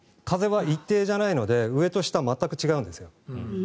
風は一定じゃないので上と下は全く違うんです。